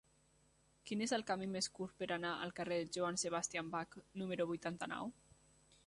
Quin és el camí més curt per anar al carrer de Johann Sebastian Bach número vuitanta-nou?